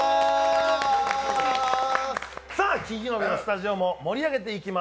さあ、金曜日のスタジオも盛り上げていきま